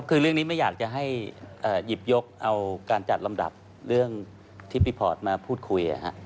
คือเรื่องนี้ไม่อยากจะให้หยิบยกเอาการจัดลำดับเรื่องที่พี่พอร์ตมาพูดคุย